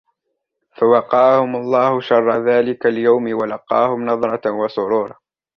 فَوَقَاهُمُ اللَّهُ شَرَّ ذَلِكَ الْيَوْمِ وَلَقَّاهُمْ نَضْرَةً وَسُرُورًا